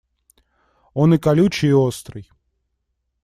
Он и колючий и острый.